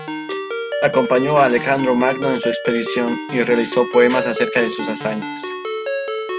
Acompañó a Alejandro Magno en su expedición y realizó poemas acerca de sus hazañas.